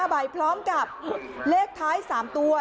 ใบพร้อมกับเลขท้าย๓ตัว